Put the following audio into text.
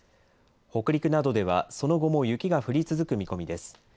北陸などではその後も雪が降り続く見込みです。